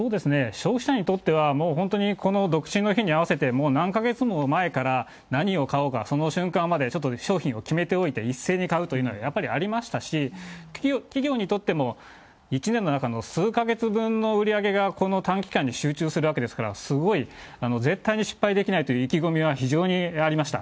消費者にとっては、もう本当にこの独身の日に合わせて、もう何か月も前から何を買おうか、その瞬間までちょっと商品を決めておいて、一斉に買うというのは、やっぱりありましたし、企業にとっても、１年の中の数か月分の売り上げがこの短期間に集中するわけですから、すごい絶対に失敗できないという意気込みは非常にありました。